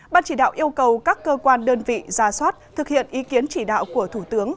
ban chỉ đạo yêu cầu các cơ quan đơn vị ra soát thực hiện ý kiến chỉ đạo của thủ tướng